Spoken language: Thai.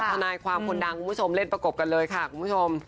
ทนายความคนดังคุณผู้ชมเล่นประกบกันเลยค่ะคุณผู้ชม